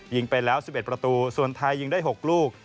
ยิงไปแล้ว๑๑ประตูส่วนไทยยิงได้๖ลูก